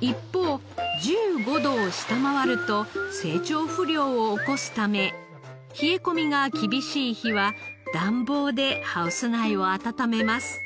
一方１５度を下回ると成長不良を起こすため冷え込みが厳しい日は暖房でハウス内を暖めます。